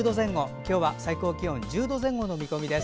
今日は最高気温１０度前後の見込みです。